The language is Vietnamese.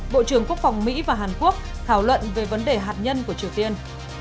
bộ trưởng quốc phòng mỹ và hàn quốc thảo luận về vấn đề hạt nhân của triều tiên